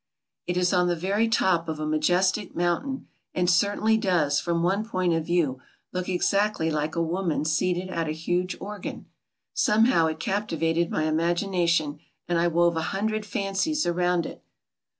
It is on the very top of a majestic mountain and certainly does, from one point of view, look exacdy like a woman seated at a huge organ. Somehow, it captivated my imagination and I wove a hundred fancies around it.